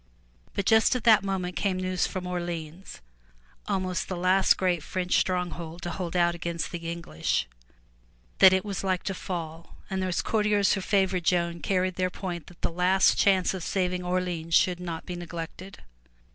But just at that moment came news from Orleans, almost the last great French stronghold to hold out against the English, that it was like to fall, and those courtiers who favored Joan carried their point that the last chance of saving Orleans should not be neglected.